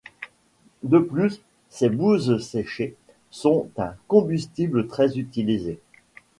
De plus, ses bouses séchées sont un combustible très utilisé.